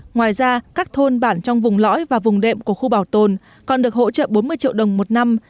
ngoài ra các thôn bản trong vùng lõi và vùng đệm của khu bảo tồn còn được hỗ trợ bốn mươi triệu đồng một năm